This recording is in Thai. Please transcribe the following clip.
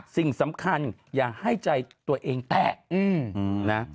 สิ่งสำคัญอย่าให้ใจตัวเองแตะนะ